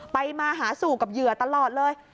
มาหาสู่กับเหยื่อตลอดเลย